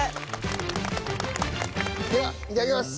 ではいただきます。